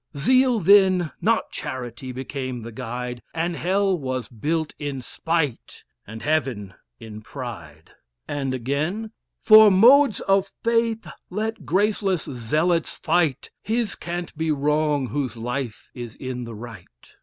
Zeal then, not charity, became the guide, And Hell was built in spite, and Heaven in pride." And again "For modes of faith let graceless zealots fight, His can't be wrong whose life is in the right."